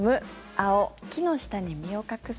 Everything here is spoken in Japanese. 青、木の下に身を隠す。